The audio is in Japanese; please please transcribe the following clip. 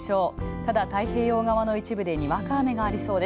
ただ太平洋側の一部ではにわか雨がありそう。